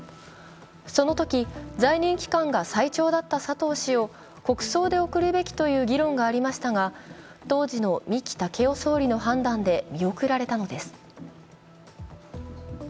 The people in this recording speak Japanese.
そのとき在任期間が最長だった佐藤氏を国葬で送るべきという議論がありましたが当時の三木武夫総理の判断で見送られたのです。